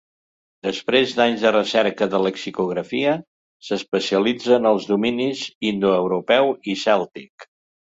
Després d'anys de recerca de lexicografia, s'especialitza en els dominis indoeuropeu i cèltic.